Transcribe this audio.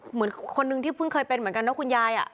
เหมือนคนนึงที่เพิ่งเคยเป็นเหมือนกันนะคุณยาย